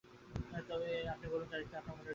তার আগে আপনি বলুন বার তারিখটা আপনার মনে রইল কেন?